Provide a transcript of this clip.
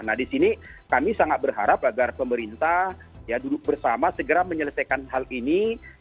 nah di sini kami sangat berharap agar pemerintah duduk bersama segera menyelesaikan hal ini